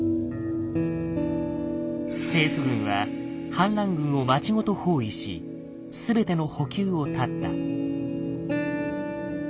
政府軍は反乱軍を街ごと包囲し全ての補給を断った。